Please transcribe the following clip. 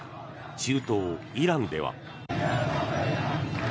中東イランでは。